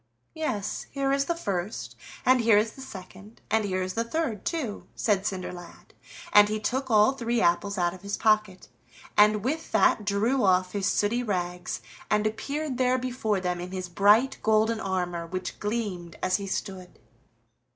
"Yes, here is the first, and here is the second, and here is the third, too," said Cinderlad, and he took all three apples out of his pocket, and with that drew off his sooty rags, and appeared there before them in his bright golden armor, which gleamed as he stood.